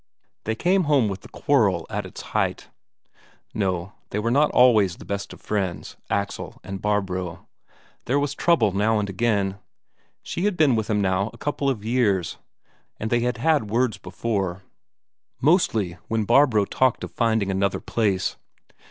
They came home with the quarrel at its height. No, they were not always the best of friends, Axel and Barbro; there was trouble now and again. She had been with him now for a couple of years, and they had had words before; mostly when Barbro talked of finding another place.